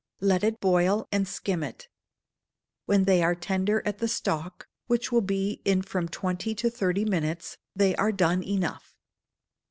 Let it boil, and skim it. When they are tender at the stalk, which will be in from twenty to thirty minutes, they are done enough.